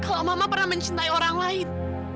kalau mama pernah mencintai orang lain